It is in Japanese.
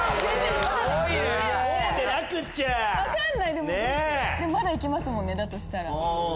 でもまだ行けますもんねだとしたら。